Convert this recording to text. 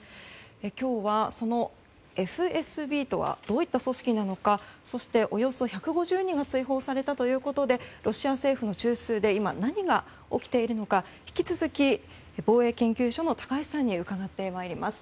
今日はそのＦＳＢとはどういった組織なのかそして、およそ１５０人が追放されたということでロシア政府の中枢で今、何が起きているのか引き続き防衛研究所の高橋さんに伺ってまいります。